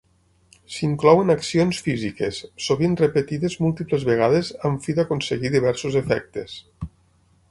S'inclouen accions físiques, sovint repetides múltiples vegades amb fi d'aconseguir diversos efectes.